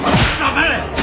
黙れ。